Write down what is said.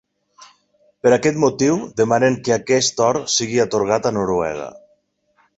Per aquest motiu demanen que aquest or sigui atorgat a Noruega.